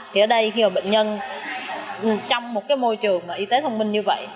thì ở đây khi mà bệnh nhân trong một cái môi trường y tế thông minh như vậy